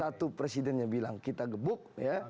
satu presidennya bilang kita gebuk ya